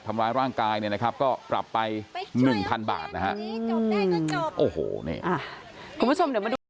ทำลายร่างกายก็ปรับไป๑๐๐๐บาทนะครับ